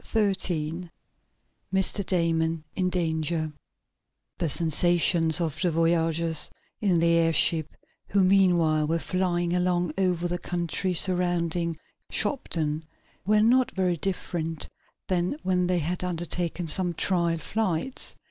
Chapter 13 Mr. Damon In Danger The sensations of the voyagers in the airship, who meanwhile, were flying along over the country surrounding Shopton, were not very different than when they had undertaken some trial flights.